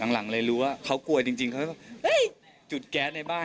หลังเลยรู้ว่าเขากลัวจริงเขาก็เฮ้ยจุดแก๊สในบ้าน